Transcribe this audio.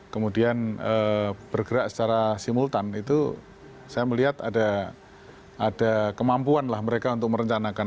kemudian bergerak secara simultan itu saya melihat ada kemampuan lah mereka untuk merencanakan